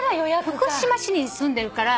福島市に住んでるから。